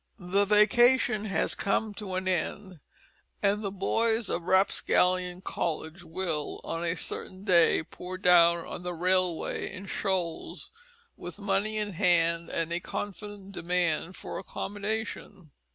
The vacation has come to an end, and the boys of Rapscallion College will, on a certain day, pour down on the railway in shoals with money in hand and a confident demand for accommodation.